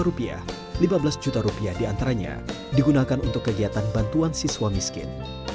rp lima belas juta rupiah diantaranya digunakan untuk kegiatan bantuan siswa miskin